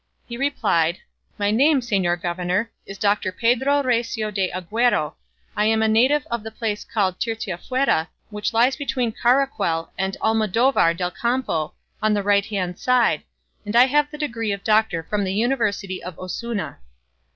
He replied, "My name, señor governor, is Doctor Pedro Recio de Aguero I am a native of a place called Tirteafuera which lies between Caracuel and Almodovar del Campo, on the right hand side, and I have the degree of doctor from the university of Osuna."